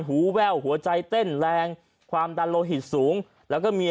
หูแว่วหัวใจเต้นแรงความดันโลหิตสูงแล้วก็มี